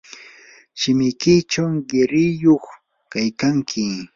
shimikiychaw qiriyuq kaykanki.